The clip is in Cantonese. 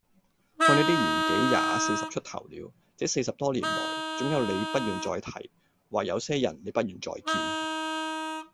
看來你的年紀也四十出頭了，這四十多年來，總有事你不願再提，或有些人你不願再見。